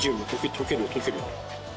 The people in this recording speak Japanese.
溶ける溶ける。